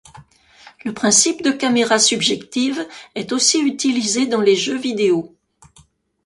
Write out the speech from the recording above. Le principe de caméra subjective est aussi utilisé dans les jeux vidéo.